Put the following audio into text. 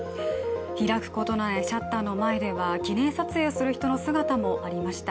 開くことのないシャッターの前では記念撮影をする人の姿もありました。